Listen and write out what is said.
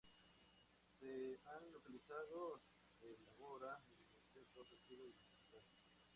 Se han localizado el ágora y los templos han sido identificados.